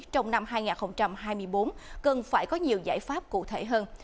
trong năm hai nghìn hai mươi bốn cần phải có nhiều giải pháp cụ thể hơn